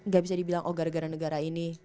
gak bisa dibilang oh gara gara negara ini